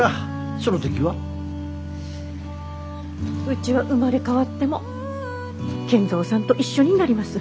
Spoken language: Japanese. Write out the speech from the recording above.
うちは生まれ変わっても賢三さんと一緒になります。